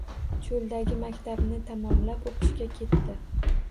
Cho‘ldagi maktabni tamomlab o‘qishga ketdi.